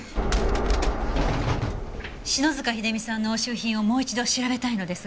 篠塚秀実さんの押収品をもう一度調べたいのですが。